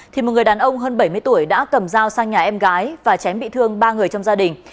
thì một người đàn ông hơn bảy mươi tuổi đã cầm dao sang nhà em gái và chém bị thương ba người trong gia đình